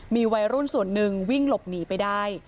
มีวัยรุ่นส่วนหนึ่งวิ่งหลบหนีไปได้